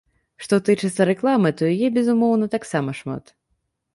Што тычыцца рэкламы, то яе, безумоўна, таксама шмат.